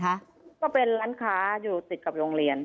ก็เป็นร้านค้าอยู่ติดกับโรงเรียน